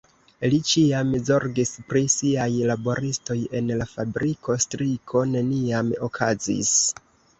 Li ĉiam zorgis pri siaj laboristoj, en la fabriko striko neniam okazis.